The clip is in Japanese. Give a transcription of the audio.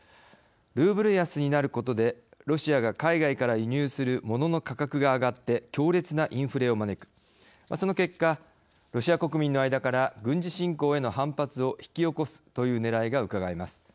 ルーブル安になることでロシアが海外から輸入する物の価格が上がって強烈なインフレを招くその結果、ロシア国民の間から軍事侵攻への反発を引き起こすというねらいがうかがえます。